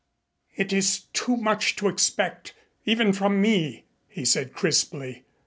"It is too much to expect even from me," he said crisply.